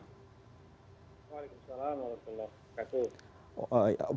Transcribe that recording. waalaikumsalam warahmatullahi wabarakatuh